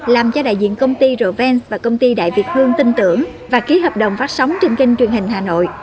làm cho đại diện công ty rent và công ty đại việt hương tin tưởng và ký hợp đồng phát sóng trên kênh truyền hình hà nội